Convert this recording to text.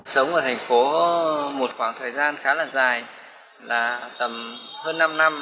sống ở thành phố một khoảng thời gian khá là dài là tầm hơn năm năm